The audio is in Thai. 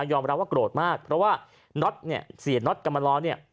ยอมรับว่าโกรธมากเพราะว่าน็อตเนี่ยเสียนเนาทกำลอดเนี่ย